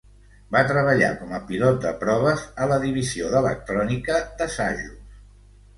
Va treballar com a pilot de proves a la Divisió d'Electrònica d'Assajos.